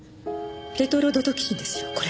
テトロドトキシンですよこれ。